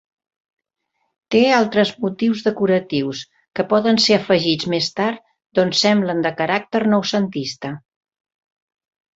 Té altres motius decoratius, que poden ser afegits més tard doncs semblen de caràcter noucentista.